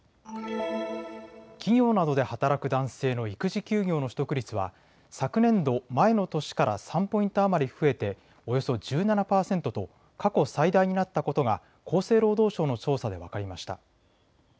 企業などで働く男性の育児休業の取得率は昨年度、前の年から３ポイント余り増えておよそ１７％と過去最大になったことが厚生労働省の調査で分かりました。